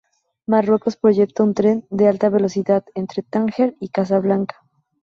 Marruecos proyecta un tren de alta velocidad entre Tánger y Casablanca.